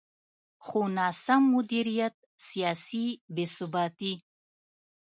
خو ناسم مدیریت، سیاسي بې ثباتي.